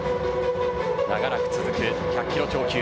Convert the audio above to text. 長らく続く１００キロ超級。